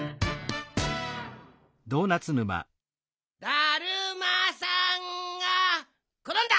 ダルマさんがころんだ！